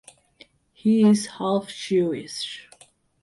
He is half Jewish.